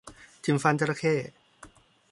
จิ้มฟันจระเข้